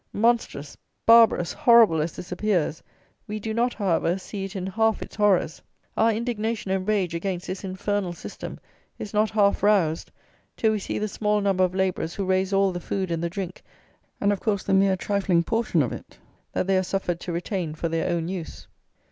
Monstrous, barbarous, horrible as this appears, we do not, however, see it in half its horrors; our indignation and rage against this infernal system is not half roused, till we see the small number of labourers who raise all the food and the drink, and, of course, the mere trifling portion of it that they are suffered to retain for their own use.